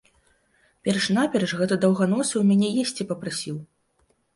Перш-наперш гэты даўганосы ў мяне есці папрасіў.